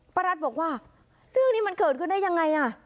รัฐบอกว่าเรื่องนี้มันเกิดขึ้นได้ยังไงอ่ะ